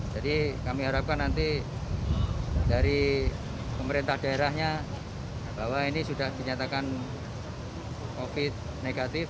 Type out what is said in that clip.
kami harapkan nanti dari pemerintah daerahnya bahwa ini sudah dinyatakan covid negatif